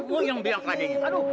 aduh yang bilang tadi